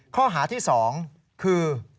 ข้อหาที่๒คือ